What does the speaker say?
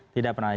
tidak pernah ada